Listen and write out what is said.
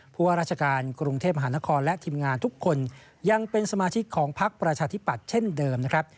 ว่าราชการกรุงเทพมหานครและทีมงานทุกคนยังเป็นสมาชิกของพักประชาธิปัตย์เช่นเดิมนะครับ